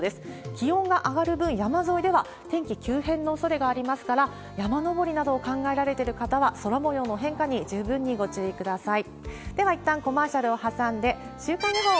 気温が上がる分、山沿いでは天気急変のおそれがありますから、山登りなどを考えられてる方は、空もようの変化に十分にご注意ください。